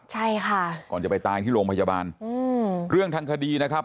ใช่ค่ะก่อนจะไปตายที่โรงพยาบาลอืมเรื่องทางคดีนะครับ